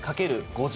５０